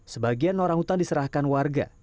sebagian orang hutan diserahkan warga